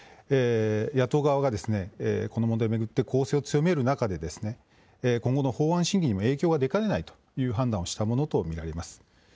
野党側がこの問題を巡って攻勢を強める中、今後の法案審議に影響が出かねないという判断をしたものと見られます。